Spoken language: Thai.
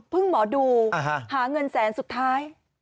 หมอดูหาเงินแสนสุดท้าย